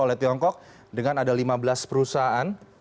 oleh tiongkok dengan ada lima belas perusahaan